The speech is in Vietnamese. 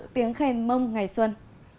tiếng khèn mông ngày xuân